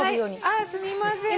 ああすみません。